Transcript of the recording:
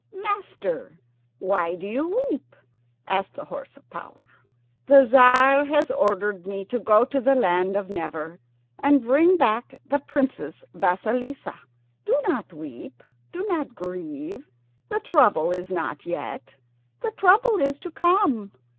"Master, why do you weep?" asked the horse of power. "The Tzar has ordered me to go to the land of Never, and to bring back the Princess Vasilissa." "Do not weep do not grieve. The trouble is not yet; the trouble is to come.